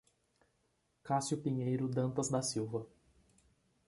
Cassio Pinheiro Dantas da Silva